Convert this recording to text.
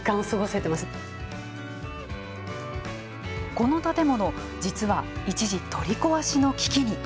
この建物、実は一時取り壊しの危機に。